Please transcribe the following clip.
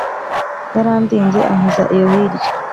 yarandinze ankiza iyo hirya